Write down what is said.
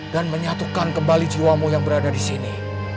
dan menyatukan kembali jiwamu yang berada disini